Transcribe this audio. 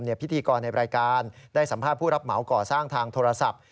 พิธีกรในรายการได้สัมภาษณ์ผู้รับเหมาก่อสร้างทางโทรศัพท์